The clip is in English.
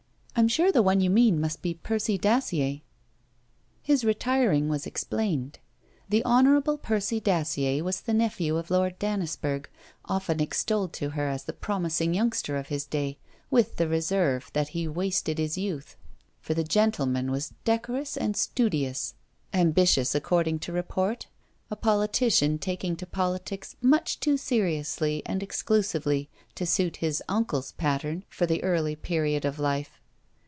I am sure the one you mean must be Percy Dacier.' His retiring was explained: the Hon. Percy Dacier was the nephew of Lord Dannisburgh, often extolled to her as the promising youngster of his day, with the reserve that he wasted his youth: for the young gentleman was decorous and studious; ambitious, according to report; a politician taking to politics much too seriously and exclusively to suit his uncle's pattern for the early period of life.